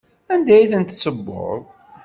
Anda ay ten-tessewweḍ?